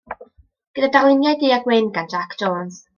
Gyda darluniau du a gwyn gan Jac Jones.